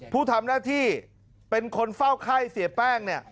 ผู้ทำหน้าที่เป็นคนเฝ้าไข้เสียแป้งเนี่ย